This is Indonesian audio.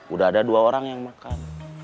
udah ada dua orang yang makan